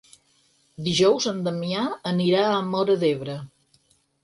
Dijous en Damià anirà a Móra d'Ebre.